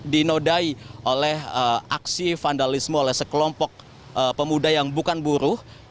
dinodai oleh aksi vandalisme oleh sekelompok pemuda yang bukan buruh